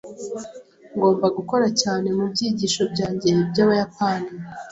Ngomba gukora cyane mubyigisho byanjye byabayapani.